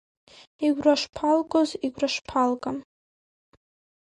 Игәра шԥалгоз, игәра шԥалга!